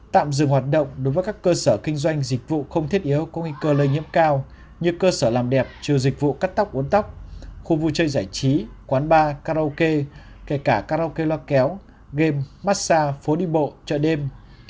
tạm dừng hoạt động đối với các cơ sở kinh doanh dịch vụ không thiết yếu có nguy cơ lây nhiễm cao như cơ sở làm đẹp trừ dịch vụ cắt tóc uống tóc khu vui chơi giải trí quán bar karaoke kể cả karaoke loa kéo game massage phố đi bộ chợ đêm